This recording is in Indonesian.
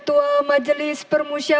tanda kebesaran buka